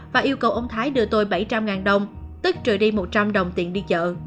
và yêu cầu ông thái đưa tôi bảy trăm linh đồng tức trừ đi một trăm linh đồng tiền đi chợ